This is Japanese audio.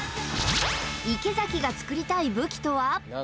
池崎が作りたい武器とは？